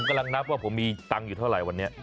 กำลังนับว่าผมมีตังค์อยู่เท่าไหร่วันนี้